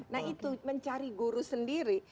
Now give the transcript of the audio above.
nah itu mencari guru sendiri